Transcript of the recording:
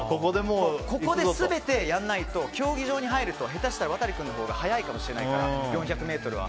ここで全てやらないと競技場に入ると下手したしたらワタリ君のほうが速いかもしれないから４００ｍは。